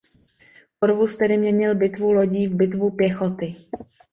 Corvus tedy měnil bitvu lodí v bitvu pěchoty.